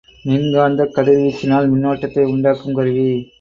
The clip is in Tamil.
மின்காந்தக் கதிர் வீச்சினால் மின்னோட்டத்தை உண்டாக்கும் கருவி.